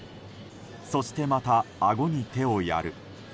そしてまた、あごに手をやる。